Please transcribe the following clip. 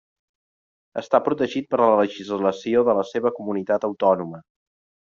Està protegit per la legislació de la seva comunitat autònoma.